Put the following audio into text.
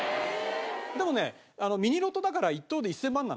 でもねミニロトだから１等で１０００万なんだけど。